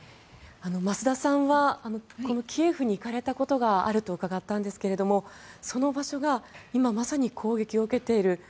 増田さんはキエフに行かれたことがあると伺ったんですけどその場所が今、まさに攻撃を受けている。